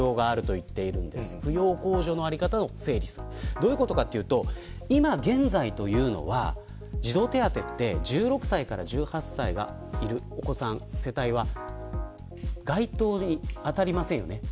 どういうことかというと今、現在というのは児童手当てって１６歳から１８歳がいる世帯は該当に当たりません。